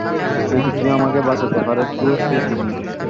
যদি কেউ আমাকে বাঁচাইতে পারে তো সে তুমি।